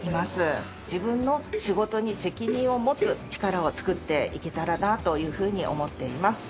自分の仕事に責任を持つ力を作っていけたらなというふうに思っています。